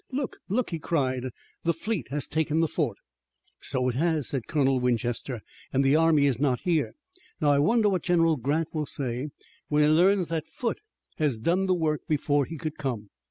"Look! look!" he cried, "the fleet has taken the fort!" "So it has," said Colonel Winchester, "and the army is not here. Now I wonder what General Grant will say when he learns that Foote has done the work before he could come."